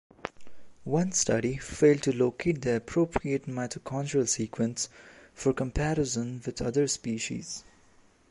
One study failed to locate the appropriate mitochondrial sequence for comparison with other species.